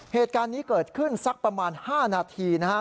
เหตุการณ์นี้เกิดขึ้นสักประมาณ๕นาทีนะครับ